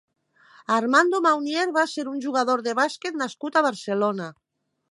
Armando Maunier va ser un jugador de bàsquet nascut a Barcelona.